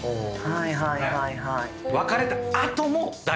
はいはいはいはい。